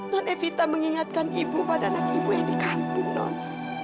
evita mengingatkan ibu pada anak ibu yang di kampung non